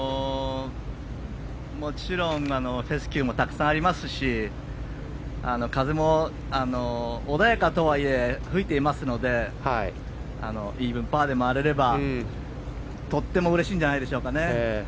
もちろんフェスキューもたくさんありますし風も穏やかとはいえ吹いていますのでイーブンパーで回れればとてもうれしいんじゃないでしょうか。